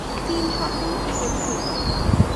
তিন সপ্তাহ টিকেছি।